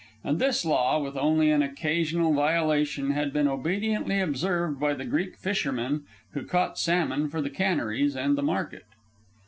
And this law, with only an occasional violation, had been obediently observed by the Greek fishermen who caught salmon for the canneries and the market.